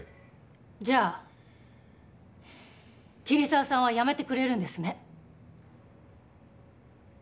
じゃあ桐沢さんは辞めてくれるんですね？